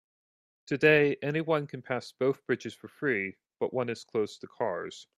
Today, anyone can pass both bridges for free, but one is closed to cars.